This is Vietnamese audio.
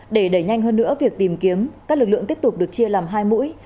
để đẩy nhanh hơn nữa việc tìm kiếm các lực lượng tiếp tục được chia làm hai mũi